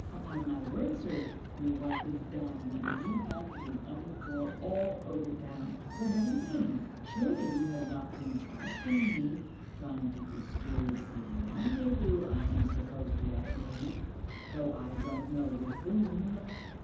Upon my word, sir; your wife is dying and you have to be hunted for all over the town. Where have you been? Surely you have not been tracking me, trying to disturb a rendezvous I am supposed to have made, though I don't know with whom.